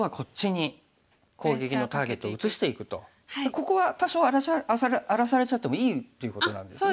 ここは多少荒らされちゃってもいいということなんですね。